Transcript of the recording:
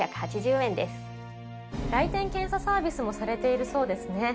来店検査サービスもされているそうですね。